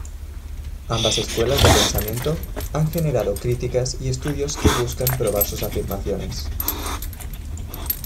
Ambas escuelas de pensamiento han generado criticas y estudios que buscan probar sus afirmaciones.